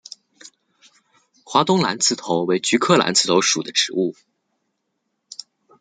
华东蓝刺头为菊科蓝刺头属的植物。